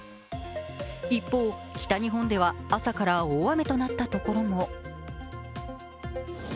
一方、北日本では朝から大雨となったところも。